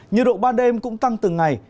nhiệt độ ban đêm cũng tăng từng ngày